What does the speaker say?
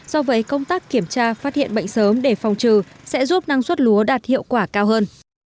so với công tác kiểm tra phát hiện bệnh sớm để phòng trừ sẽ giúp năng suất lúa đạt hiệu quả cao hơn